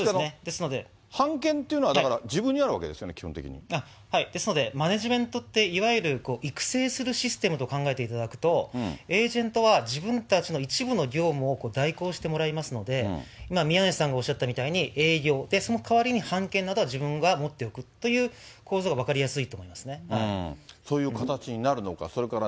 版権っていうのは、だから、自分ですのでマネジメントって、いわゆる育成するシステムと考えていただくと、エージェントは、自分たちの一部の業務を代行してもらいますので、今、宮根さんがおっしゃったみたいに営業、そのかわりに版権などは自分が持っておくという構図が分かりやすそういう形になるのか。